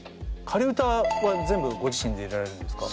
仮歌は全部ご自身で入れられるんですか？